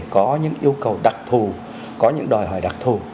có những yêu cầu đặc thù có những đòi hỏi đặc thù